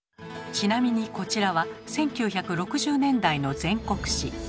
ちなみにこちらは１９６０年代の全国紙。